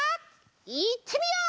いってみよう！